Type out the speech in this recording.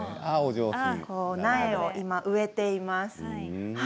苗を植えています。